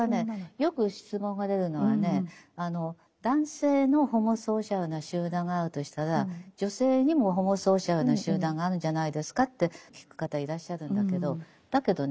よく質問が出るのはね男性のホモソーシャルな集団があるとしたら女性にもホモソーシャルな集団があるんじゃないですかって聞く方いらっしゃるんだけどだけどね